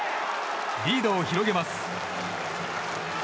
リードを広げます。